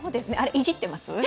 いじってます？